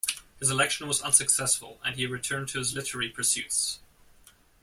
His election was unsuccessful and he returned to his literary pursuits.